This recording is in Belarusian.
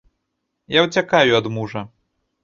Я ўцякаю ад мужа.